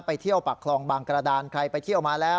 เที่ยวปากคลองบางกระดานใครไปเที่ยวมาแล้ว